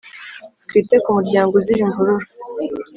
twite ku muryango uzira imvururu